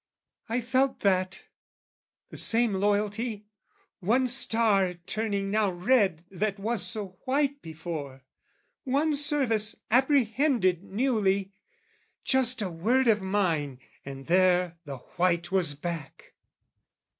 I felt that, the same loyalty one star Turning now red that was so white before One service apprehended newly: just A word of mine and there the white was back!